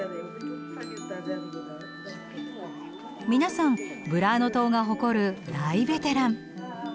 皆さんブラーノ島が誇る大ベテラン。